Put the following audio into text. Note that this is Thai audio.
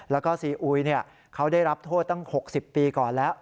แล้วก็ซีอุยเขาได้รับโทษตั้ง๖๐ปีก่อนแล้ว